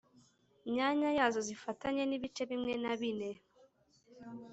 myanya yazo zifatanye n ibice bimwe na bine